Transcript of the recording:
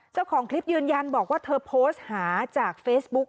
เจ้าของคลิปยืนยันบอกว่าเธอโพสต์หาจากเฟซบุ๊ก